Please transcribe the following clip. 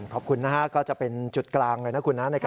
ขอบคุณนะฮะก็จะเป็นจุดกลางเลยนะคุณนะ